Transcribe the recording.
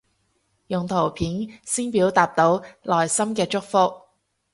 用圖片先表達到內心嘅祝福